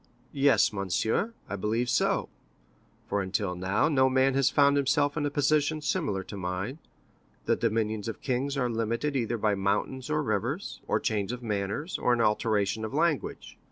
"Yes, monsieur, I believe so; for until now, no man has found himself in a position similar to mine. The dominions of kings are limited either by mountains or rivers, or a change of manners, or an alteration of language.